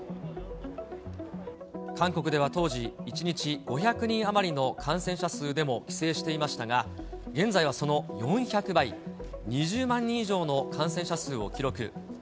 韓国では当時、１日５００人余りの感染者数でも規制していましたが、現在はその４００倍、２０万人以上の感染者数を記録。